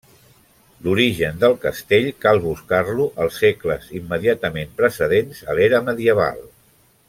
L'origen del castell cal buscar-lo als segles immediatament precedents a l'era medieval.